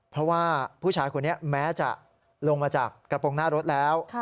เพราะว่าผู้ชายคนนี้แม้จะลงมาจากกระโปรงหน้ารถแล้ว